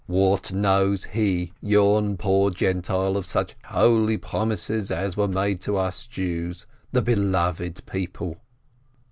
"What knows he, yon poor Gentile, of such holy promises as were made to us Jews, the beloved people